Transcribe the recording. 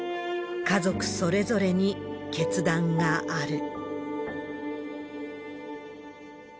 家族それぞれに決断がある。